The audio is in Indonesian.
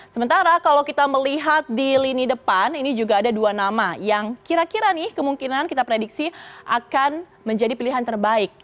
sementara kalau kita melihat di lini depan ini juga ada dua nama yang kira kira nih kemungkinan kita prediksi akan menjadi pilihan terbaik